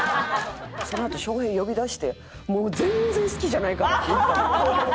そのあとショウヘイ呼び出して「もう全然好きじゃないから！」って言ったもん。